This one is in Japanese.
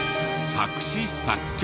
作詞作曲！